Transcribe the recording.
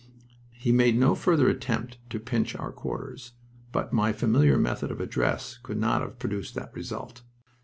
He made no further attempt to "pinch" our quarters, but my familiar method of address could not have produced that result.